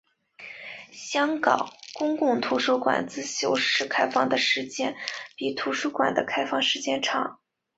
香港公共图书馆自修室开放时间比图书馆的开放时间长。